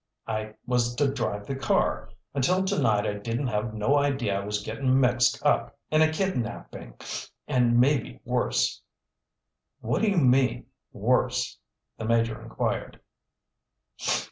I was to drive the car. Until tonight I didn't have no idea I was getting mixed up in a kidnapping, and maybe worse." "What do you mean—worse?" the Major inquired.